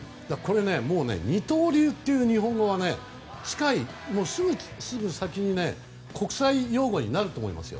二刀流という日本語はすぐ先に国際用語になると思いますよ。